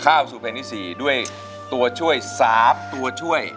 เข้าสู่เพลงที่๔ด้วยตัวช่วย๓ตัวช่วย